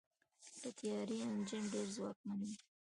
د طیارې انجن ډېر ځواکمن وي.